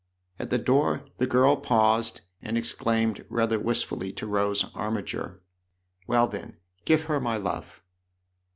At the door the girl paused and exclaimed rather wistfully to Rose Armiger :" Well, then, give her my love